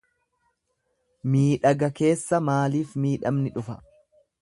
Miidhaga keessa maaliif miidhamni dhufa?